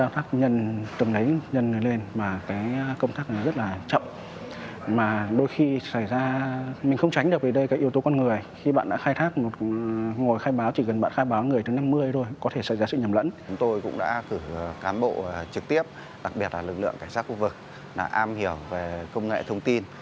trực tiếp đặc biệt là lực lượng cảnh sát khu vực am hiểu về công nghệ thông tin